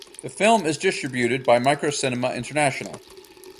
The film is distributed by Microcinema International.